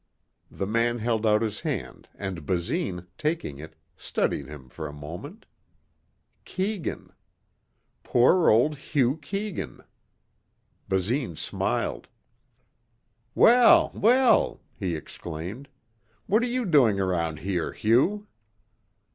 The man held out his hand and Basine, taking it, studied him for a moment. Keegan. Poor old Hugh Keegan. Basine smiled. "Well, well," he exclaimed. "What are you doing around here, Hugh?"